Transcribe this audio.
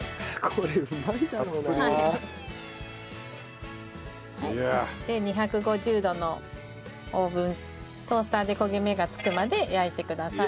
うわあ。で２５０度のオーブントースターで焦げ目がつくまで焼いてください。